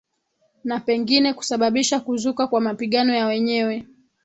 na pengine kusababisha kuzuka kwa mapigano ya wenyewe